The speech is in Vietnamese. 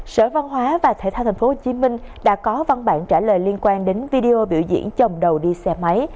sở văn hóa và thể thao tp hcm đã có văn bản trả lời liên quan đến video biểu diễn chồng đầu đi xe máy